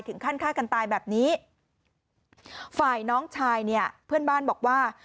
ถึงขั้นฆ่ากันตายแบบนี้ฝ่ายน้องชายเนี่ยเพื่อนบ้านบอกว่า